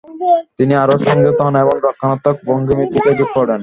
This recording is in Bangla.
তিনি আরও সংযত হন এবং রক্ষণাত্মক ভঙ্গীমার দিকে ঝুঁকে পড়েন।